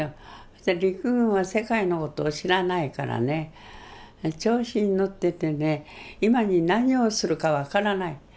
そして陸軍は世界の事を知らないからね調子に乗っててね今に何をするか分からない。